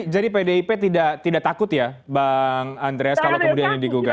jadi pdip tidak takut ya bang andreas kalau kemudian ini digugat